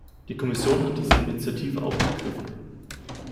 Die Kommission hat diese Initiative aufgegriffen.